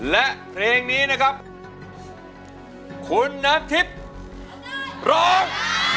และเพลงนี้นะครับคุณน้ำทิพย์ร้อง